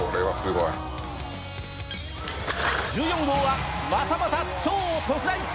１４号はまたまた超特大。